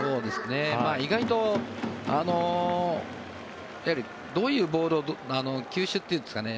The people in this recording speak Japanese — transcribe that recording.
意外とどういうボール球種というんですかね